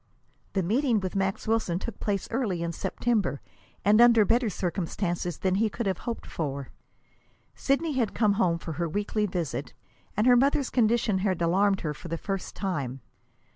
The meeting with Max Wilson took place early in September, and under better circumstances than he could have hoped for. Sidney had come home for her weekly visit, and her mother's condition had alarmed her for the first time.